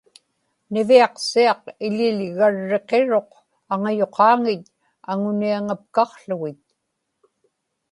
niviaqsiaq iḷiḷgarriqiruq aŋayuqaaŋit aŋuniaŋapkaqługit